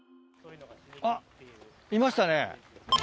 あっいましたね。